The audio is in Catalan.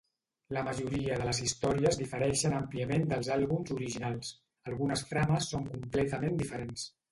La majoria de les històries difereixen àmpliament dels àlbums originals; algunes trames són completament diferents.